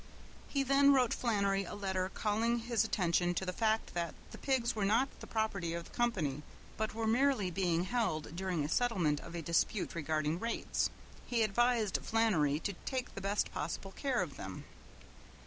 He then wrote Flannery a letter calling his attention to the fact that the pigs were not the property of the company but were merely being held during a settlement of a dispute regarding rates. He advised Flannery to take the best possible care of them.